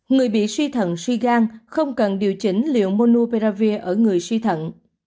người bị suy thận suy gan không cần điều trị liệu monopiravir ở người suy thận